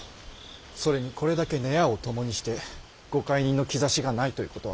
それにこれだけ閨を共にしてご懐妊の兆しがないということは。